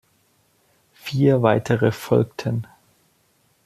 Vier weitere folgten.